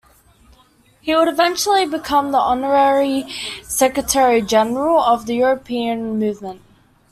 He would eventually become the Honorary Secretary General of the European Movement.